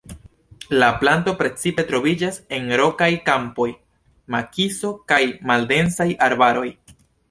La planto precipe troviĝas en rokaj kampoj, makiso kaj maldensaj arbaroj.